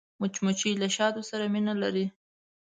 مچمچۍ له شاتو سره مینه لري